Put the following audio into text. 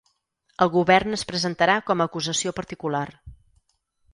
El govern es presentarà com a acusació particular.